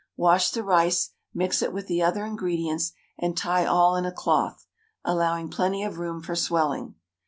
Wash the rice, mix it with the other ingredients, and tie all in a cloth, allowing plenty of room for swelling.